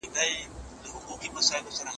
دا سیند تر تېر کال ډېرې اوبه لري.